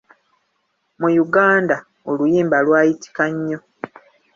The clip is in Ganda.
Mu Uganda, oluyimba lwayitika nnyo.